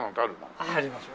ありますよ。